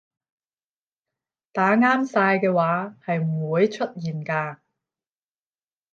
打啱晒嘅話係唔會出現㗎